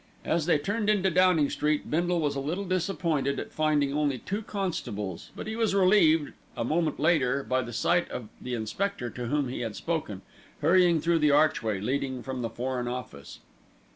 As they turned into Downing Street, Bindle was a little disappointed at finding only two constables; but he was relieved a a moment later by the sight of the inspector to whom he had spoken, hurrying through the archway, leading from the Foreign Office.